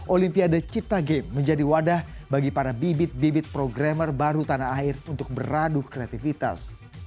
olimpiade cipta game menjadi wadah bagi para bibit bibit programmer baru tanah air untuk beradu kreativitas